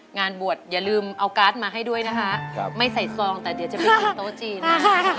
งานบวชอย่าลืมเอาการ์ดมาให้ด้วยนะคะไม่ใส่ซองแต่เดี๋ยวจะไปกินโต๊ะจีนนะคะ